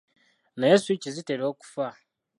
Naye switch zitera okufa?